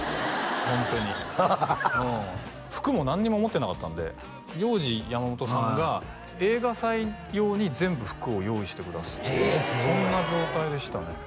ホントにうん服も何にも持ってなかったんでヨウジヤマモトさんが映画祭用に全部服を用意してくださってそんな状態でしたねえ